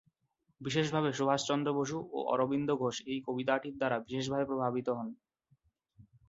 বিশেষভাবে সুভাষচন্দ্র বসু ও অরবিন্দ ঘোষ এই কবিতাটির দ্বারা বিশেষভাবে প্রভাবিত হন।